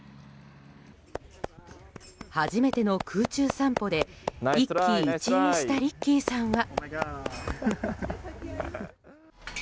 初めての空中散歩で一喜一憂したリッキーさんは。